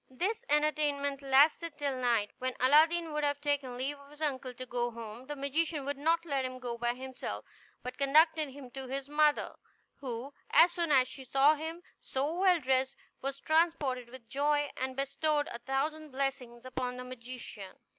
This entertainment lasted till night, when Aladdin would have taken leave of his uncle to go home; the magician would not let him go by himself, but conducted him to his mother, who, as soon as she saw him so well dressed, was transported with joy, and bestowed a thousand blessings upon the magician.